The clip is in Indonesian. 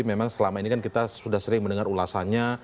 memang selama ini kan kita sudah sering mendengar ulasannya